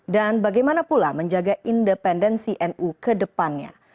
dan bagaimana pula menjaga independensi nu ke depannya